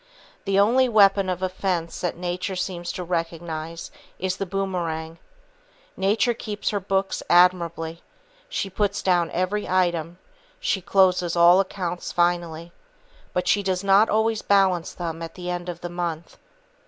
The only weapon of offence that Nature seems to recognize is the boomerang. Nature keeps her books admirably; she puts down every item, she closes all accounts finally, but she does not always balance them at the end of the month.